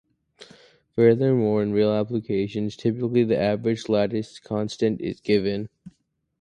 Furthermore, in real applications, typically the average lattice constant is given.